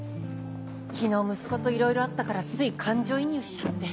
昨日息子といろいろあったからつい感情移入しちゃって。